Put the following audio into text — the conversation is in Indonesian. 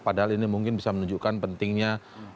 padahal ini mungkin bisa menunjukkan pentingnya